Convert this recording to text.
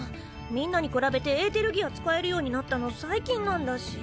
みんなに比べてエーテルギア使えるようになったの最近なんだし。